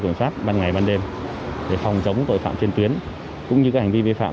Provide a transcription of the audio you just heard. kiểm soát ban ngày ban đêm để phòng chống tội phạm trên tuyến cũng như các hành vi vi phạm